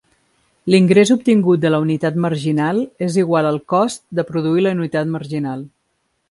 L'ingrés obtingut de la unitat marginal és igual al cost de produir la unitat marginal.